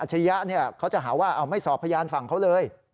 ริยะเขาจะหาว่าไม่สอบพยานฝั่งเขาเลย